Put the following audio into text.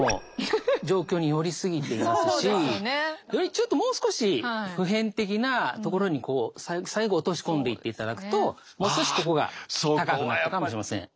ちょっともう少し普遍的なところに最後落とし込んでいっていただくともう少しここが高くなったかもしれません。